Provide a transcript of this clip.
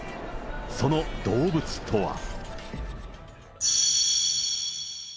その動物とは。